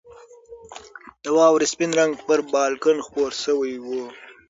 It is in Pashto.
د واورې سپین رنګ پر بالکن خپور شوی و.